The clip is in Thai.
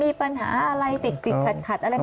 มีปัญหาอะไรติดขัดอะไรไหม